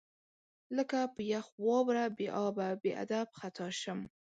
لکه په یخ واوره بې ابه، بې ادب خطا شم